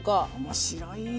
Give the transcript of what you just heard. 面白いよ。